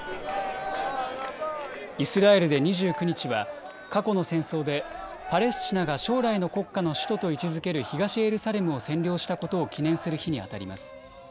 イスラエルで２９日は過去の戦争でパレスチナが将来の国家の首都と位置づける東エルサレムを占領したことを記念する日にあたります。